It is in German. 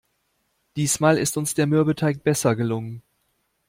Diesmal ist uns der Mürbeteig besser gelungen.